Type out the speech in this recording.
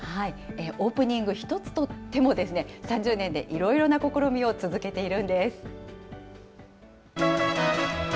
オープニング一つ取っても、３０年でいろいろな試みを続けているんです。